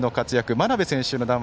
真鍋選手の談話